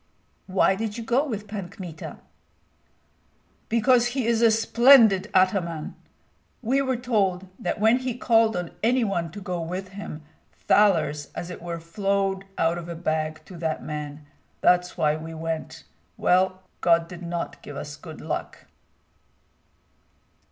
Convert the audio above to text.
"Why did you go with Pan Kmita?" "Because he is a splendid ataman. We were told that when he called on any one to go with him, thalers as it were flowed out of a bag, to that man. That's why we went. Well, God did not give us good luck!"